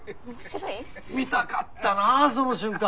見たかったなその瞬間！